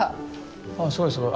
ああすごいすごい。